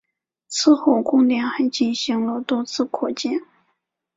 此后宫殿还进行了多次扩建。